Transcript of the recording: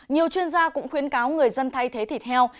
nhiều chuyên gia cũng khuyến cáo người dân thay thế thịt heo